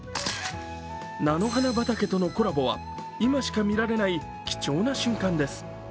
菜の花畑とのコラボは今しか見られない貴重な瞬間です。